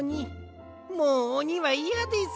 もうおにはいやです。